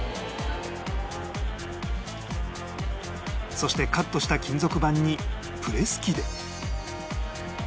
そしてカットした金属板にプレス機で